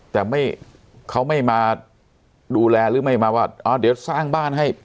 แต่ไม่เขาไม่มาดูแลหรือไม่มาว่าเดี๋ยวสร้างบ้านให้